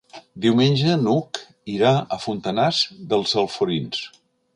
Diumenge n'Hug irà a Fontanars dels Alforins.